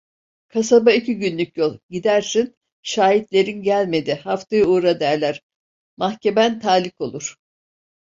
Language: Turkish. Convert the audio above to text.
Kasaba iki günlük yol, gidersin, şahitlerin gelmedi, haftaya uğra derler, mahkemen talik olur.